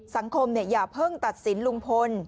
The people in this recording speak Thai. อย่าเพิ่งตัดสินลุงพล